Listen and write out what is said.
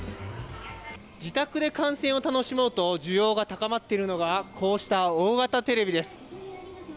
自宅で観戦を楽しもうと需要が高まっているのがこうした大型テレビです。